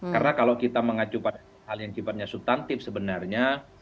karena kalau kita mengacu pada hal yang cipatnya substantif sebenarnya